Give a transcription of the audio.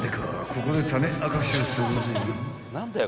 ここで種明かしをするぜ］